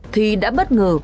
thì đã bất ngờ